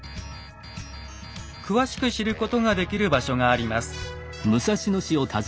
詳しく知ることができる場所があります。